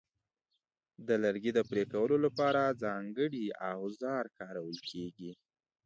د لرګي د پرې کولو لپاره ځانګړي اوزار کارول کېږي.